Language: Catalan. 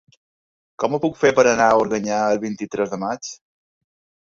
Com ho puc fer per anar a Organyà el vint-i-tres de maig?